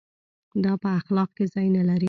دا په اخلاق کې ځای نه لري.